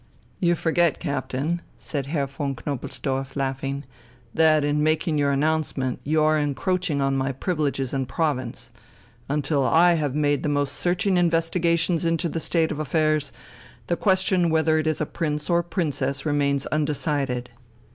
"You forget, Captain," said Herr von Knobelsdorff, laughing, "that in making your announcement you are encroaching on my privileges and province. Until I have made the most searching investigations into the state of affairs, the question whether it is a prince or a princess remains undecided."